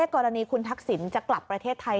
กรณีคุณทักษิณจะกลับประเทศไทย